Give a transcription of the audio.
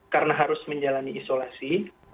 karena harus menjalani isolasi